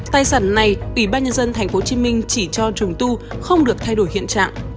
tài sản này ủy ban nhân dân tp hcm chỉ cho trùng tu không được thay đổi hiện trạng